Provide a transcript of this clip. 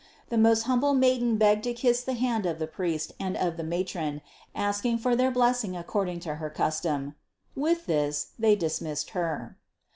The most humble Maiden begged to kiss the hand of the priest and of the matron, asking for their blessing according to her custom; with this they dismissed Her.